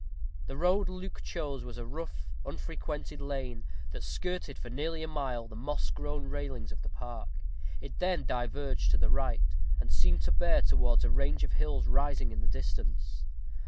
The road Luke chose was a rough, unfrequented lane, that skirted, for nearly a mile, the moss grown palings of the park. It then diverged to the right, and seemed to bear towards a range of hills rising in the distance.